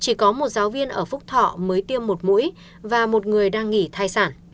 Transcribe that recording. chỉ có một giáo viên ở phúc thọ mới tiêm một mũi và một người đang nghỉ thai sản